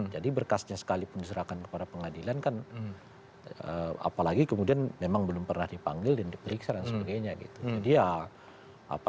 jadi berkasnya sekalipun diserahkan kepada pengadilan kan apalagi kemudian memang belum pernah dipanggil dan diperiksa dan sebagainya